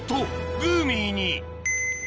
グーミー。